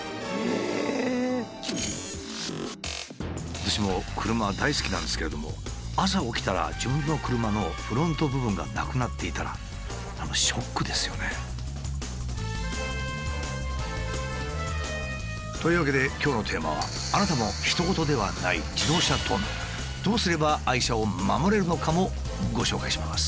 私も車大好きなんですけれども朝起きたら自分の車のフロント部分がなくなっていたら何かショックですよね。というわけで今日のテーマはどうすれば愛車を守れるのかもご紹介します。